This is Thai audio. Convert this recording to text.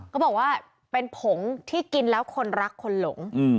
เขาบอกว่าเป็นผงที่กินแล้วคนรักคนหลง